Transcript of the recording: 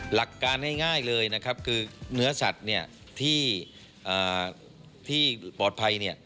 หลักการง่ายเลยนะครับคือเนื้อสัตว์ที่ปลอดภัย